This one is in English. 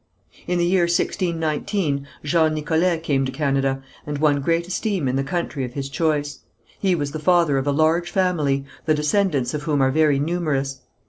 In the year 1619 Jean Nicolet came to Canada, and won great esteem in the country of his choice. He was the father of a large family, the descendants of whom are very numerous.